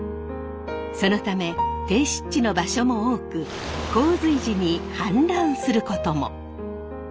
そのため低湿地の場所も多く洪水時に氾濫することも。